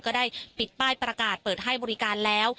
ก็ได้ปิดป้ายประกาศเปิดให้บริการแล้ว